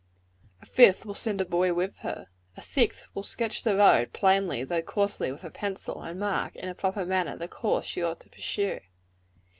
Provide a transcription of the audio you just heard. A fifth will send a boy with her. A sixth will sketch the road plainly, though coarsely, with a pencil; and mark, in a proper manner, the course she ought to pursue.